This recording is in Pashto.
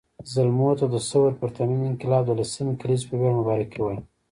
زلمو ته د ثور پرتمین انقلاب د لسمې کلېزې په وياړ مبارکي وایم